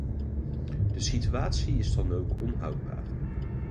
De situatie is dan ook onhoudbaar.